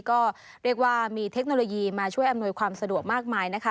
ก็เรียกว่ามีเทคโนโลยีมาช่วยอำนวยความสะดวกมากมายนะคะ